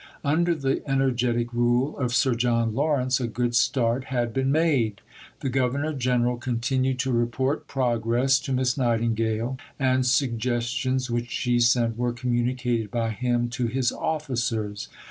Under the energetic rule of Sir John Lawrence, a good start had been made. The Governor General continued to report progress to Miss Nightingale, and suggestions which she sent were communicated by him to his officers.